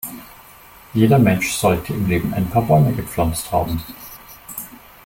Jeder Mensch sollte im Leben ein paar Bäume gepflanzt haben.